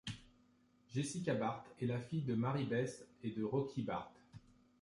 Jessica Barth est la fille de Mary Beth et Rocky Barth.